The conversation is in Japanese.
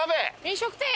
飲食店！